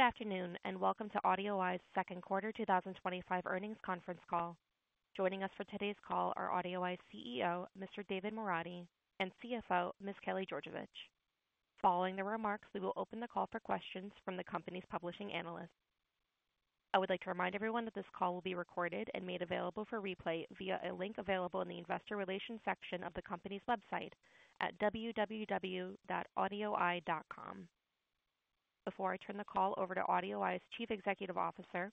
Good afternoon and welcome to AudioEye's Second Quarter 2025 Earnings Conference Call. Joining us for today's call are AudioEye's CEO, Mr. David Moradi, and CFO, Ms. Kelly Georgevich. Following their remarks, we will open the call for questions from the company's publishing analyst. I would like to remind everyone that this call will be recorded and made available for replay via a link available in the investor relations section of the company's website at www.audioeye.com. Before I turn the call over to AudioEye's Chief Executive Officer,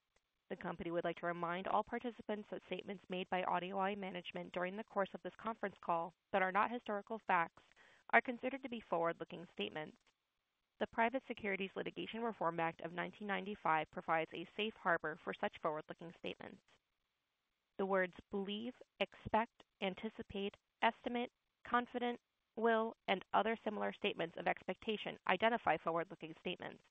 the company would like to remind all participants that statements made by AudioEye management during the course of this conference call that are not historical facts are considered to be forward-looking statements. The Private Securities Litigation Reform Act of 1995 provides a safe harbor for such forward-looking statements. The words "believe," "expect," "anticipate," "estimate," "confident," "will," and other similar statements of expectation identify forward-looking statements.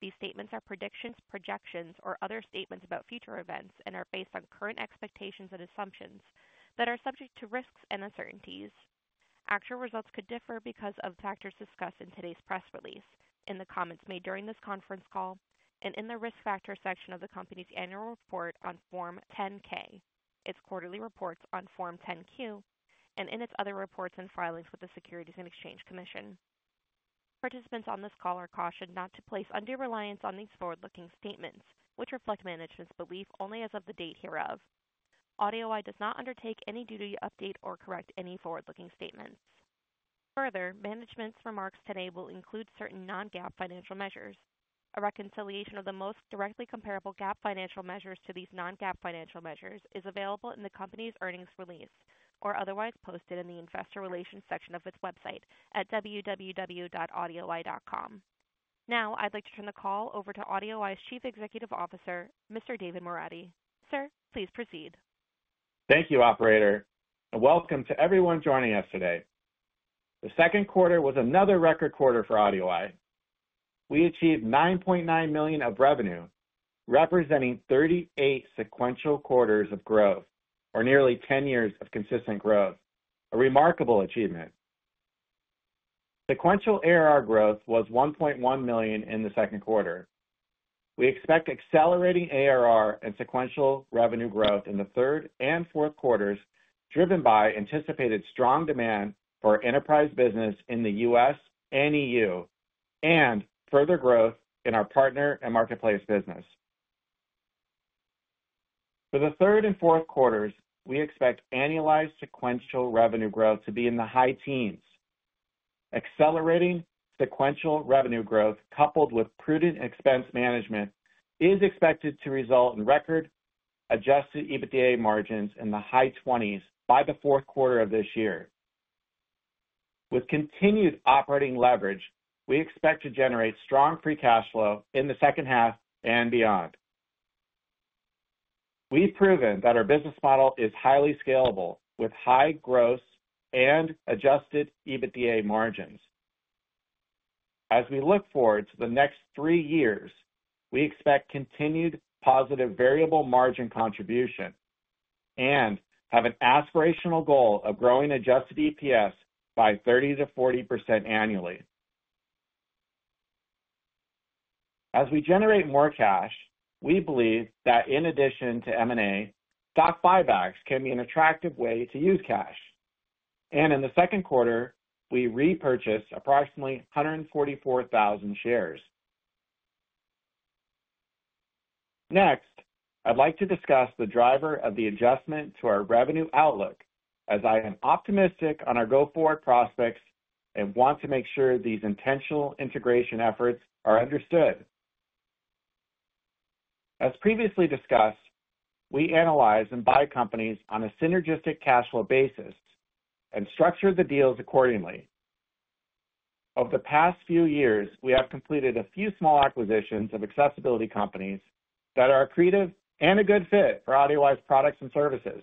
These statements are predictions, projections, or other statements about future events and are based on current expectations and assumptions that are subject to risks and uncertainties. Actual results could differ because of the factors discussed in today's press release, in the comments made during this conference call, and in the risk factor section of the company's annual report on Form 10-K, its quarterly reports on Form 10-Q, and in its other reports and filings with the Securities and Exchange Commission. Participants on this call are cautioned not to place undue reliance on these forward-looking statements, which reflect management's belief only as of the date hereof. AudioEye does not undertake any duty to update or correct any forward-looking statements. Further, management's remarks today will include certain non-GAAP financial measures. A reconciliation of the most directly comparable GAAP financial measures to these non-GAAP financial measures is available in the company's earnings release or otherwise posted in the investor relations section of its website at www.audioeye.com. Now, I'd like to turn the call over to AudioEye's Chief Executive Officer, Mr. David Moradi. Sir, please proceed. Thank you, Operator, and welcome to everyone joining us today. The second quarter was another record quarter for AudioEye. We achieved $9.9 million of revenue, representing 38 sequential quarters of growth, or nearly 10 years of consistent growth, a remarkable achievement. Sequential ARR growth was $1.1 million in the second quarter. We expect accelerating ARR and sequential revenue growth in the third and fourth quarters, driven by anticipated strong demand for enterprise business in the U.S. and EU, and further growth in our partner and marketplace business. For the third and fourth quarters, we expect annualized sequential revenue growth to be in the high teens. Accelerating sequential revenue growth, coupled with prudent expense management, is expected to result in record adjusted EBITDA margins in the high 20% by the fourth quarter of this year. With continued operating leverage, we expect to generate strong free cash flow in the second half and beyond. We've proven that our business model is highly scalable with high gross and adjusted EBITDA margins. As we look forward to the next three years, we expect continued positive variable margin contribution and have an aspirational goal of growing adjusted EPS by 30%-40% annually. As we generate more cash, we believe that in addition to M&A, stock buybacks can be an attractive way to use cash. In the second quarter, we repurchased approximately 144,000 shares. Next, I'd like to discuss the driver of the adjustment to our revenue outlook, as I am optimistic on our go-forward prospects and want to make sure these intentional integration efforts are understood. As previously discussed, we analyze and buy companies on a synergistic cash flow basis and structure the deals accordingly. Over the past few years, we have completed a few small acquisitions of accessibility companies that are accretive and a good fit for AudioEye's products and services.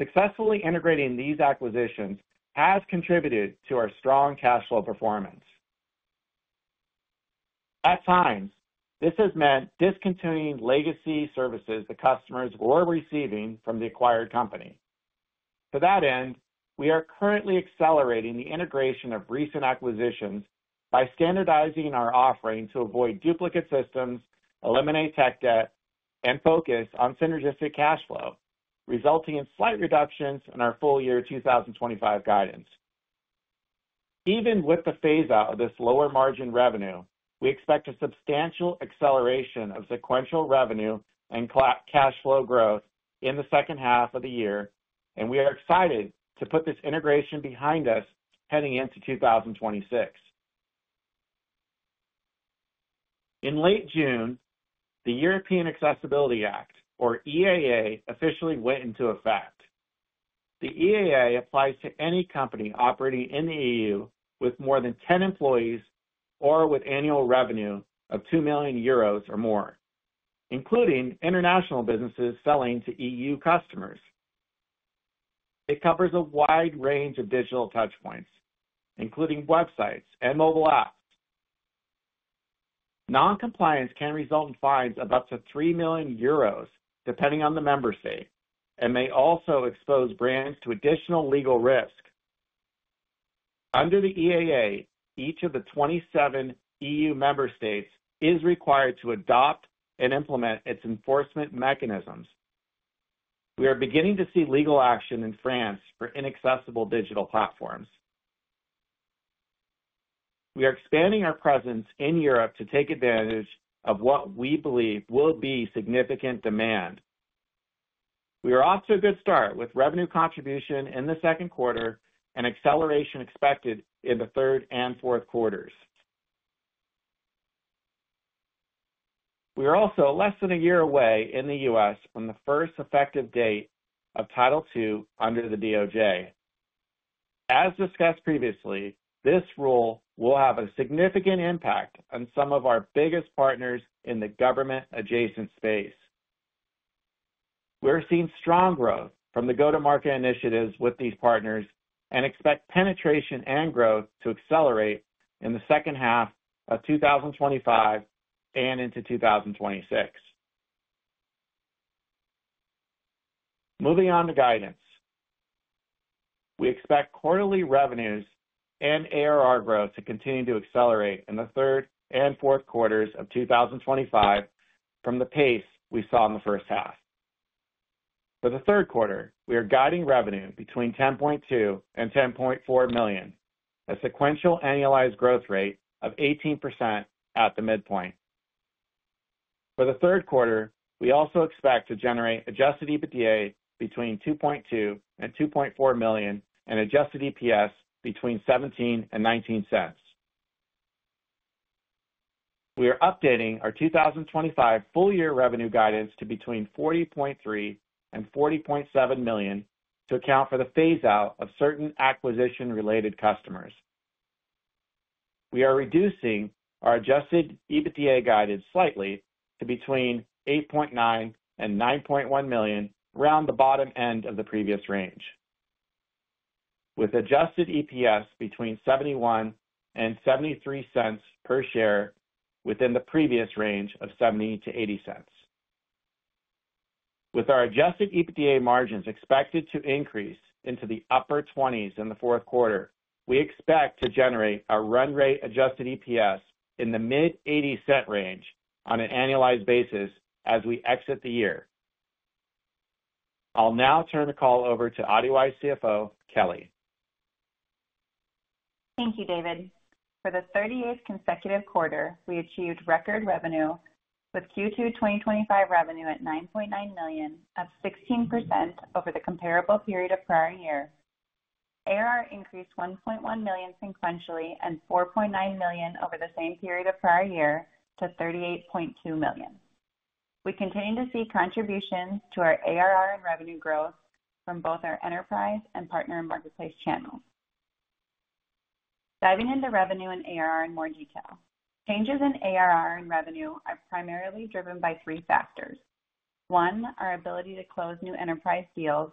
Successfully integrating these acquisitions has contributed to our strong cash flow performance. At times, this has meant discontinuing legacy services the customers were receiving from the acquired company. To that end, we are currently accelerating the integration of recent acquisitions by standardizing our offering to avoid duplicate systems, eliminate tech debt, and focus on synergistic cash flow, resulting in slight reductions in our full year 2025 guidance. Even with the phase-out of this lower margin revenue, we expect a substantial acceleration of sequential revenue and cash flow growth in the second half of the year, and we are excited to put this integration behind us heading into 2026. In late June, the European Accessibility Act, or EAA, officially went into effect. The EAA applies to any company operating in the EU with more than 10 employees or with annual revenue of 2 million euros or more, including international businesses selling to EU customers. It covers a wide range of digital touchpoints, including websites and mobile apps. Non-compliance can result in fines of up to 3 million euros, depending on the member state, and may also expose brands to additional legal risk. Under the EAA, each of the 27 EU member states is required to adopt and implement its enforcement mechanisms. We are beginning to see legal action in France for inaccessible digital platforms. We are expanding our presence in Europe to take advantage of what we believe will be significant demand. We are off to a good start with revenue contribution in the second quarter and acceleration expected in the third and fourth quarters. We are also less than a year away in the U.S. from the first effective date of Title II under the DOJ. As discussed previously, this rule will have a significant impact on some of our biggest partners in the government-adjacent space. We're seeing strong growth from the go-to-market initiatives with these partners and expect penetration and growth to accelerate in the second half of 2025 and into 2026. Moving on to guidance, we expect quarterly revenues and ARR growth to continue to accelerate in the third and fourth quarters of 2025 from the pace we saw in the first half. For the third quarter, we are guiding revenue between $10.2 million and $10.4 million, a sequential annualized growth rate of 18% at the midpoint. For the third quarter, we also expect to generate adjusted EBITDA between $2.2 million and $2.4 million and adjusted EPS between $0.17 and $0.19. We are updating our 2025 full-year revenue guidance to between $40.3 million and $40.7 million to account for the phase-out of certain acquisition-related customers. We are reducing our adjusted EBITDA guidance slightly to between $8.9 million and $9.1 million around the bottom end of the previous range, with adjusted EPS between $0.71 and $0.73 per share within the previous range of $0.70-$0.80. With our adjusted EBITDA margins expected to increase into the upper 20% in the fourth quarter, we expect to generate a run-rate adjusted EPS in the mid-$0.80 range on an annualized basis as we exit the year. I'll now turn the call over to AudioEye's CFO, Kelly. Thank you, David. For the 38th consecutive quarter, we achieved record revenue with Q2 2025 revenue at $9.9 million, up 16% over the comparable period of prior year. ARR increased $1.1 million sequentially and $4.9 million over the same period of prior year to $38.2 million. We continue to see contribution to our ARR and revenue growth from both our enterprise and partner and marketplace channels. Diving into revenue and ARR in more detail, changes in ARR and revenue are primarily driven by three factors: one, our ability to close new enterprise deals;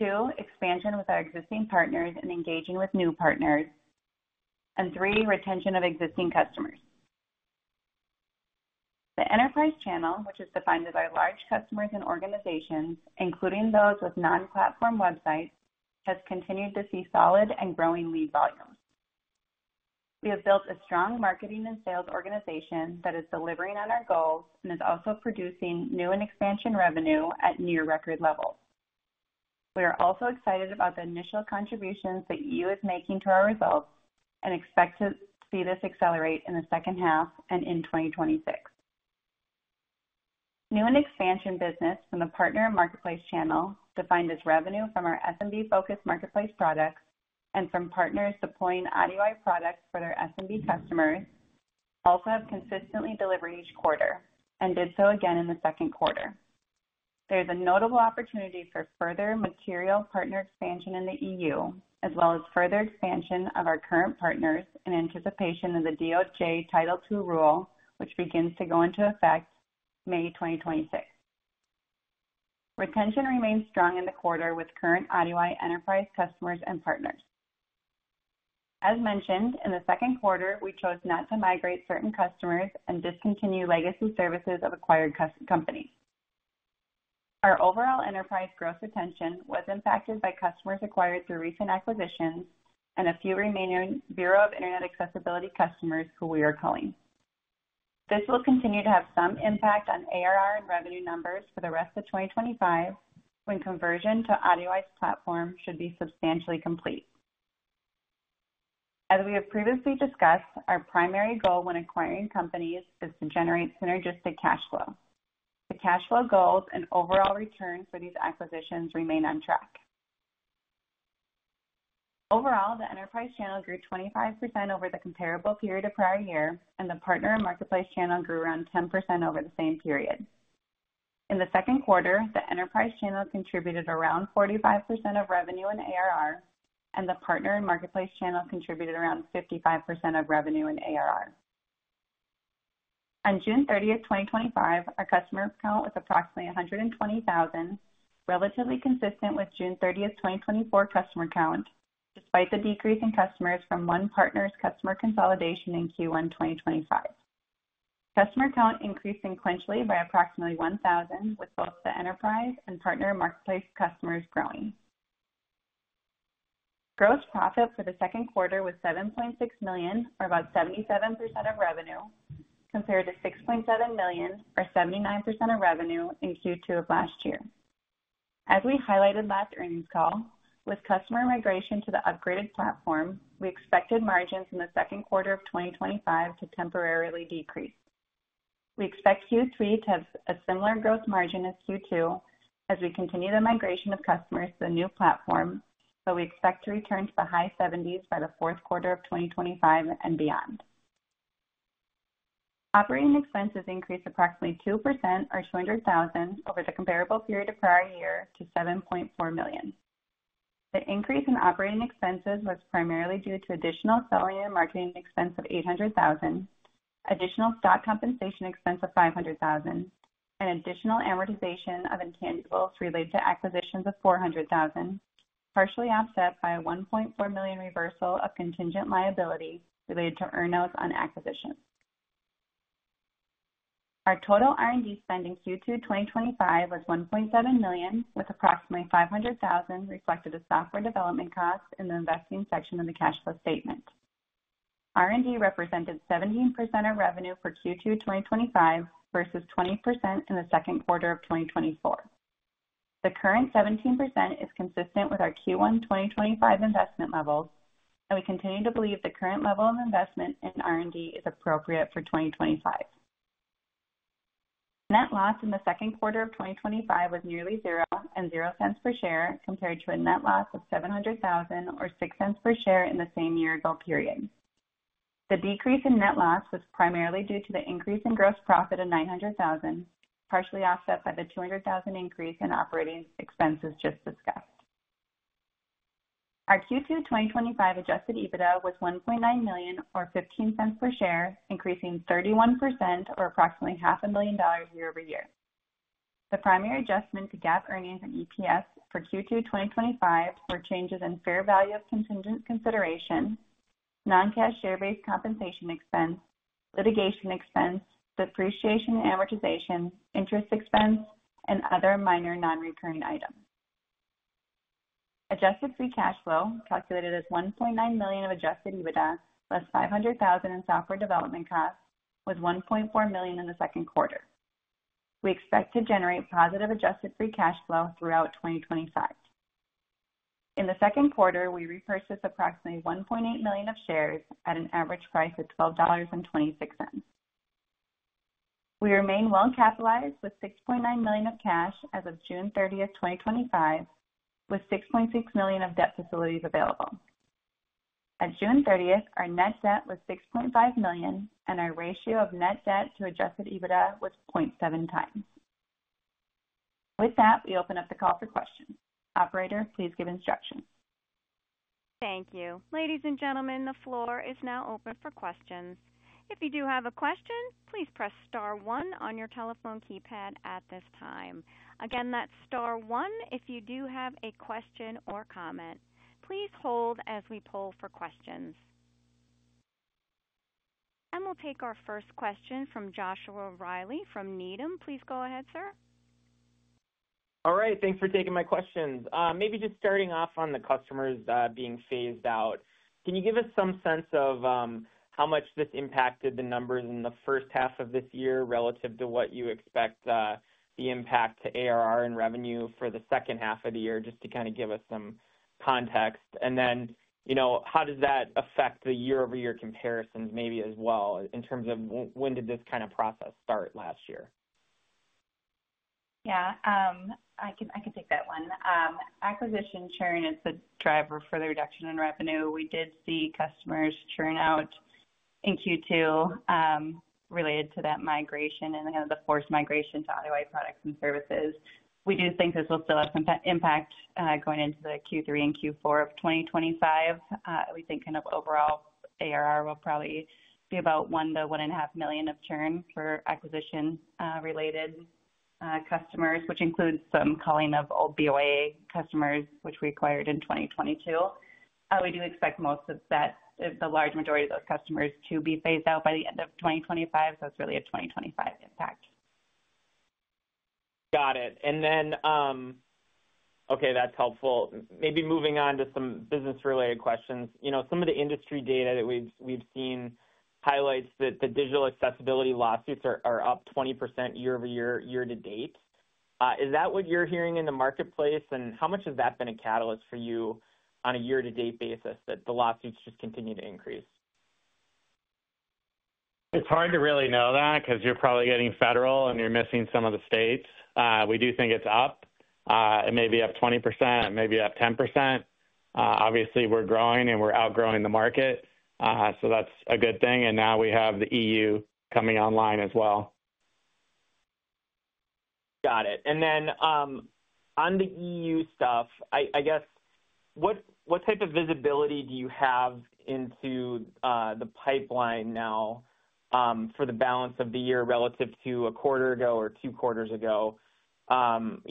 two, expansion with our existing partners and engaging with new partners; and three, retention of existing customers. The enterprise channel, which is defined as our large customers and organizations, including those with non-platform websites, has continued to see solid and growing lead volumes. We have built a strong marketing and sales organization that is delivering on our goals and is also producing new and expansion revenue at near record levels. We are also excited about the initial contributions that the EU is making to our results and expect to see this accelerate in the second half and in 2026. New and expansion business from the partner and marketplace channel, defined as revenue from our SMB-focused marketplace products and from partners supporting AudioEye products for their SMB customers, also have consistently delivered each quarter and did so again in the second quarter. There is a notable opportunity for further material partner expansion in the EU, as well as further expansion of our current partners in anticipation of the DOJ Title II rule, which begins to go into effect May 2026. Retention remains strong in the quarter with current AudioEye enterprise customers and partners. As mentioned, in the second quarter, we chose not to migrate certain customers and discontinue legacy services of acquired companies. Our overall enterprise growth retention was impacted by customers acquired through recent acquisitions and a few remaining Bureau of Internet Accessibility customers who we are calling. This will continue to have some impact on ARR and revenue numbers for the rest of 2025 when conversion to AudioEye's platform should be substantially complete. As we have previously discussed, our primary goal when acquiring companies is to generate synergistic cash flow. The cash flow goals and overall return for these acquisitions remain on track. Overall, the enterprise channel grew 25% over the comparable period of prior year, and the partner and marketplace channel grew around 10% over the same period. In the second quarter, the enterprise channel contributed around 45% of revenue and ARR, and the partner and marketplace channel contributed around 55% of revenue and ARR. On June 30th, 2025, our customer count was approximately 120,000, relatively consistent with June 30th, 2024 customer count, despite the decrease in customers from one partner's customer consolidation in Q1 2025. Customer count increased sequentially by approximately 1,000, with both the enterprise and partner and marketplace customers growing. Gross profit for the second quarter was $7.6 million, or about 77% of revenue, compared to $6.7 million, or 79% of revenue in Q2 of last year. As we highlighted last earnings call, with customer migration to the upgraded platform, we expected margins in the second quarter of 2025 to temporarily decrease. We expect Q3 to have a similar gross margin as Q2 as we continue the migration of customers to the new platform, but we expect to return to the high 70% by the fourth quarter of 2025 and beyond. Operating expenses increased approximately 2%, or $200,000, over the comparable period of prior year to $7.4 million. The increase in operating expenses was primarily due to additional selling and marketing expense of $800,000, additional stock compensation expense of $500,000, and additional amortization of intangibles related to acquisitions of $400,000, partially offset by a $1.4 million reversal of contingent liability related to earnouts on acquisitions. Our total R&D spend in Q2 2025 was $1.7 million, with approximately $500,000 reflected as software development costs in the investing section of the cash flow statement. R&D represented 17% of revenue for Q2 2025 versus 20% in the second quarter of 2024. The current 17% is consistent with our Q1 2025 investment levels, and we continue to believe the current level of investment in R&D is appropriate for 2025. Net loss in the second quarter of 2025 was nearly zero and $0.00 per share compared to a net loss of $700,000 or $0.06 per share in the same year or goal period. The decrease in net loss was primarily due to the increase in gross profit of $900,000, partially offset by the $200,000 increase in operating expenses just discussed. Our Q2 2025 adjusted EBITDA was $1.9 million or $0.15 per share, increasing 31% or approximately $0.5 million year-over-year. The primary adjustment to GAAP earnings and EPS for Q2 2025 were changes in fair value of contingent consideration, non-cash share-based compensation expense, litigation expense, depreciation and amortization, interest expense, and other minor non-recurring items. Adjusted free cash flow calculated as $1.9 million of adjusted EBITDA plus $500,000 in software development costs was $1.4 million in the second quarter. We expect to generate positive adjusted free cash flow throughout 2025. In the second quarter, we repurchased approximately $1.8 million of shares at an average price of $12.26. We remain well-capitalized with $6.9 million of cash as of June 30th, 2025, with $6.6 million of debt facilities available. At June 30th, our net debt was $6.5 million and our ratio of net debt to adjusted EBITDA was 0.7x. With that, we open up the call for questions. Operator, please give instructions. Thank you. Ladies and gentlemen, the floor is now open for questions. If you do have a question, please press star one on your telephone keypad at this time. Again, that's star one if you do have a question or comment. Please hold as we pull for questions. We'll take our first question from Joshua Reilly from Needham. Please go ahead, sir. All right, thanks for taking my questions. Maybe just starting off on the customers being phased out, can you give us some sense of how much this impacted the numbers in the first half of this year relative to what you expect the impact to ARR and revenue for the second half of the year, just to kind of give us some context? You know, how does that affect the year-over-year comparisons maybe as well in terms of when did this kind of process start last year? Yeah, I can take that one. Acquisition churn is the driver for the reduction in revenue. We did see customers churn out in Q2 related to that migration and the forced migration to other products and services. We do think this will still have some impact going into Q3 and Q4 of 2025. We think kind of overall ARR will probably be about $1 million-$1.5 million of churn for acquisition-related customers, which includes some culling of old BOA customers which we acquired in 2022. We do expect most of that, the large majority of those customers, to be phased out by the end of 2025. It's really a 2025 impact. Got it. Okay, that's helpful. Maybe moving on to some business-related questions. You know, some of the industry data that we've seen highlights that the digital accessibility lawsuits are up 20% year-over-year to date. Is that what you're hearing in the marketplace, and how much has that been a catalyst for you on a year-to-date basis that the lawsuits just continue to increase? It's hard to really know that because you're probably getting federal and you're missing some of the states. We do think it's up. It may be up 20%, it may be up 10%. Obviously, we're growing and we're outgrowing the market. That's a good thing. Now we have the EU coming online as well. Got it. On the EU stuff, I guess what type of visibility do you have into the pipeline now for the balance of the year relative to a quarter ago or two quarters ago? Some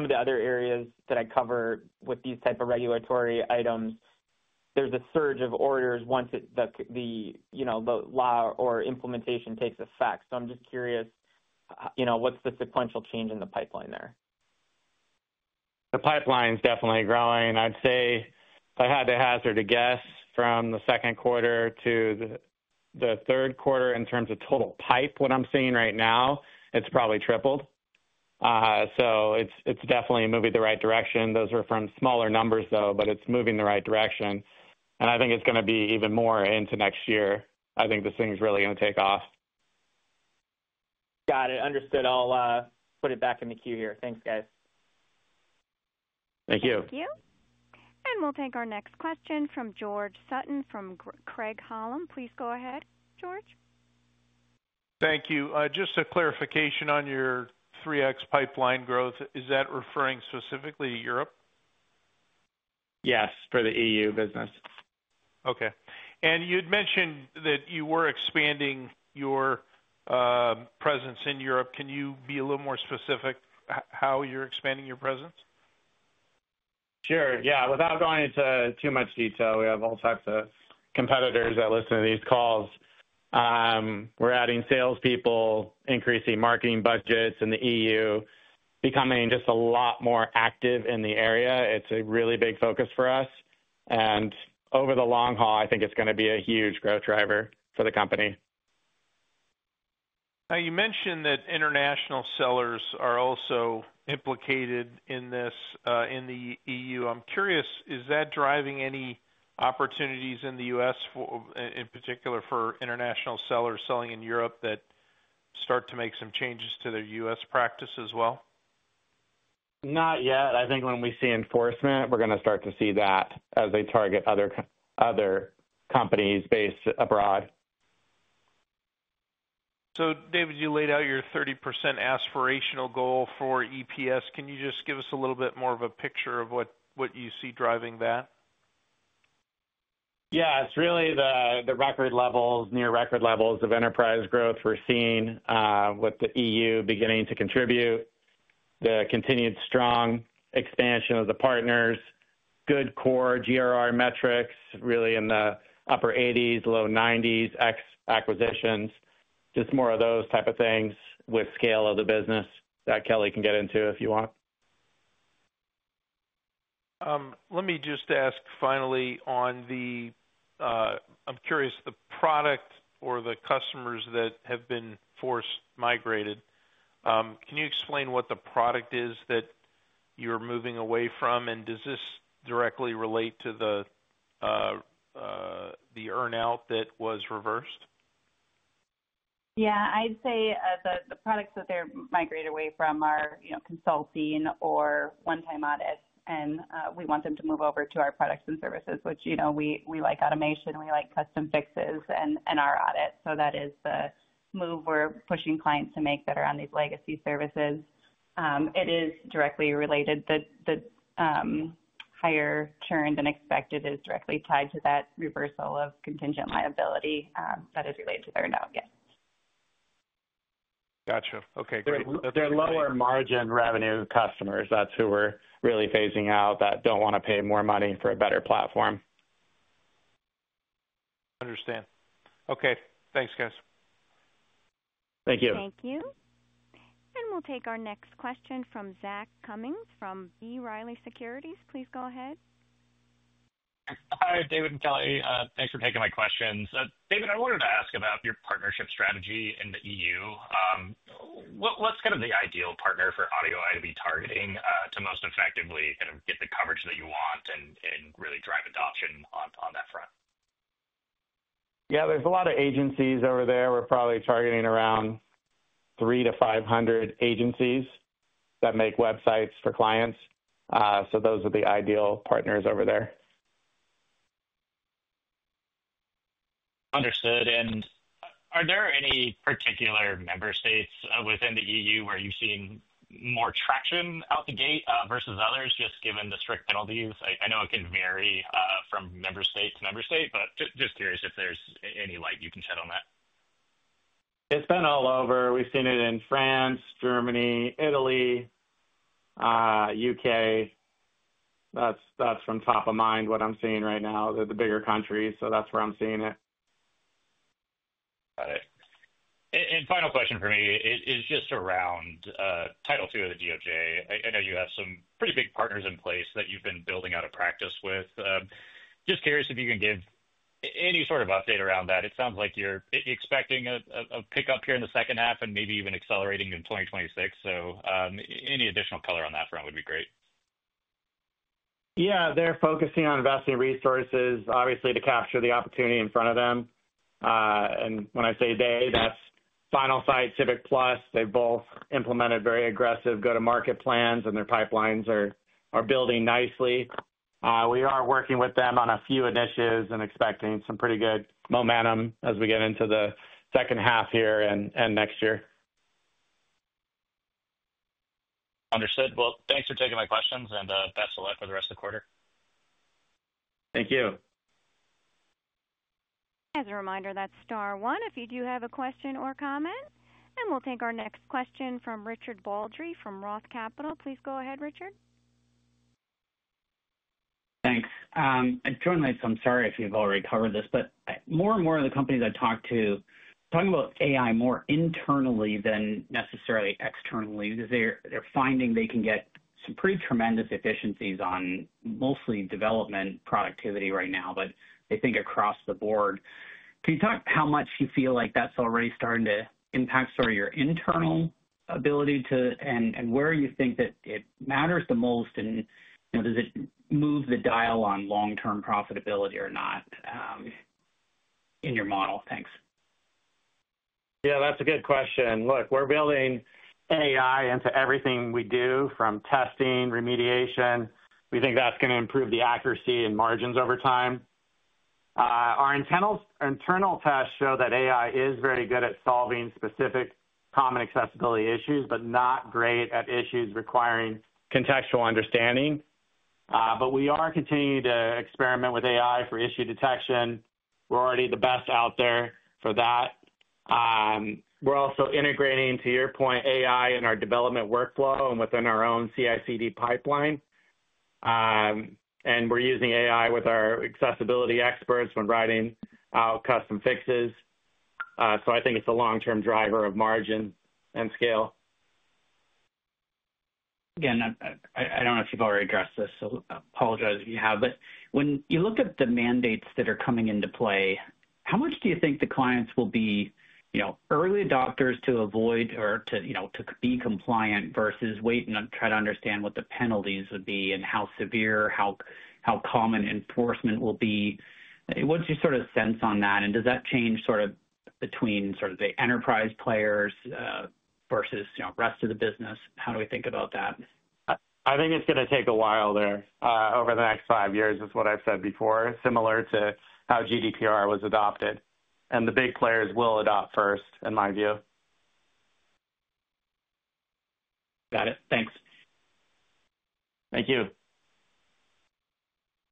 of the other areas that I cover with these types of regulatory items, there's a surge of orders once the law or implementation takes effect. I'm just curious, what's the sequential change in the pipeline there? The pipeline is definitely growing. I'd say if I had to hazard a guess from the second quarter to the third quarter in terms of total pipe, what I'm seeing right now, it's probably tripled. It is definitely moving the right direction. Those were from smaller numbers though, but it's moving the right direction. I think it's going to be even more into next year. I think this thing's really going to take off. Got it. Understood. I'll put it back in the queue here. Thanks, guys. Thank you. Thank you. We'll take our next question from George Sutton from Craig-Hallum. Please go ahead, George. Thank you. Just a clarification on your 3x pipeline growth, is that referring specifically to Europe? Yes, for the EU business. Okay. You had mentioned that you were expanding your presence in Europe. Can you be a little more specific how you're expanding your presence? Sure. Without going into too much detail, we have all types of competitors that listen to these calls. We're adding salespeople, increasing marketing budgets in the EU, becoming just a lot more active in the area. It's a really big focus for us. Over the long haul, I think it's going to be a huge growth driver for the company. Now you mentioned that international sellers are also implicated in this in the EU. I'm curious, is that driving any opportunities in the U.S., in particular for international sellers selling in Europe that start to make some changes to their U.S. practice as well? Not yet. I think when we see enforcement, we're going to start to see that as they target other companies based abroad. David, you laid out your 30% aspirational goal for EPS. Can you just give us a little bit more of a picture of what you see driving that? Yeah, it's really the record levels, near record levels of enterprise growth we're seeing with the EU beginning to contribute, the continued strong expansion of the partners, good core GRR metrics really in the upper 80%, low 90s, X acquisitions, just more of those types of things with scale of the business that Kelly can get into if you want. Let me just ask finally, I'm curious, the product or the customers that have been forced migrated. Can you explain what the product is that you're moving away from, and does this directly relate to the earnout that was reversed? I'd say the products that they're migrated away from are consulting or one-time audits, and we want them to move over to our products and services, which you know we like automation, we like custom fixes, and our audit. That is the move we're pushing clients to make that are on these legacy services. It is directly related. The higher churn than expected is directly tied to that reversal of contingent liability that is related to their earnout. Gotcha. Okay. They're lower margin revenue customers. That's who we're really phasing out that don't want to pay more money for a better platform. Understand. Okay, thanks, guys. Thank you. Thank you. We'll take our next question from Zach Cummins from B. Riley Securities. Please go ahead. Hi, David and Kelly. Thanks for taking my questions. David, I wanted to ask about your partnership strategy in the EU. What's the ideal partner for AudioEye to be targeting to most effectively get the coverage that you want and really drive adoption on that front? Yeah, there's a lot of agencies over there. We're probably targeting around 300-500 agencies that make websites for clients. Those are the ideal partners over there. Are there any particular member states within the EU where you've seen more traction out the gate versus others, just given the strict penalties? I know it can vary from member state to member state, but just curious if there's any light you can shed on that. It's been all over. We've seen it in France, Germany, Italy, U.K. That's from top of mind what I'm seeing right now, the bigger countries. That's where I'm seeing it. Got it. Final question for me is just around Title II of the DOJ. I know you have some pretty big partners in place that you've been building out a practice with. Just curious if you can give any sort of update around that. It sounds like you're expecting a pickup here in the second half and maybe even accelerating in 2026. Any additional color on that front would be great. Yeah, they're focusing on investing resources, obviously to capture the opportunity in front of them. When I say they, that's Finalsite and CiviPlus. They've both implemented very aggressive go-to-market plans, and their pipelines are building nicely. We are working with them on a few initiatives and expecting some pretty good momentum as we get into the second half here and next year. Understood. Thank you for taking my questions and best of luck for the rest of the quarter. Thank you. As a reminder, that's star one if you do have a question or comment. We'll take our next question from Richard Baldry from Roth Capital. Please go ahead, Richard. Thanks. I'm sorry if you've already covered this, but more and more of the companies I talk to are talking about AI more internally than necessarily externally because they're finding they can get some pretty tremendous efficiencies on mostly development productivity right now, but I think across the board. Can you talk how much you feel like that's already starting to impact sort of your internal ability to and where you think that it matters the most, and does it move the dial on long-term profitability or not in your model? Thanks. Yeah, that's a good question. Look, we're building AI into everything we do from testing, remediation. We think that's going to improve the accuracy and margins over time. Our internal tests show that AI is very good at solving specific common accessibility issues, not great at issues requiring contextual understanding. We are continuing to experiment with AI for issue detection. We're already the best out there for that. We're also integrating, to your point, AI in our development workflow and within our own CI/CD pipeline. We're using AI with our accessibility experts when writing out custom fixes. I think it's a long-term driver of margin and scale. I don't know if you've already addressed this, so I apologize if you have, but when you look at the mandates that are coming into play, how much do you think the clients will be early adopters to avoid or to be compliant versus waiting to try to understand what the penalties would be and how severe, how common enforcement will be? What's your sort of sense on that? Does that change between the enterprise players versus the rest of the business? How do we think about that? I think it's going to take a while there over the next five years, is what I said before, similar to how GDPR was adopted. The big players will adopt first, in my view. Got it. Thanks. Thank you.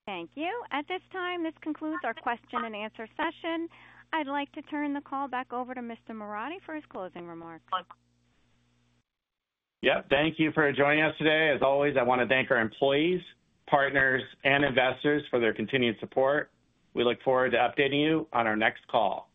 Thank you. At this time, this concludes our question and answer session. I'd like to turn the call back over to Mr. Moradi for his closing remarks. Thank you for joining us today. As always, I want to thank our employees, partners, and investors for their continued support. We look forward to updating you on our next call.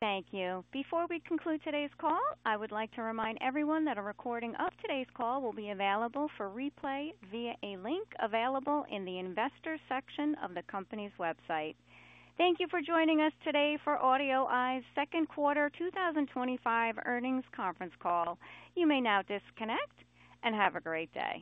Thank you. Before we conclude today's call, I would like to remind everyone that a recording of today's call will be available for replay via a link available in the investor section of the company's website. Thank you for joining us today for AudioEye's Second Quarter 2025 Earnings Conference Call. You may now disconnect and have a great day.